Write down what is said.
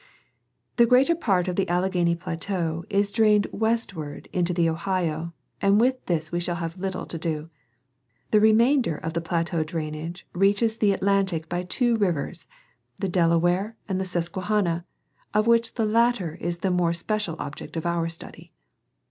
— The greater part of the Alleghany plateau is drained westward into the Ohio, and with this we shall have little to do. The remainder of the plateau drainage reaches the Atlantic by two rivers, the Delaware and the Susquehanna, of which the latter is the more special object of our study.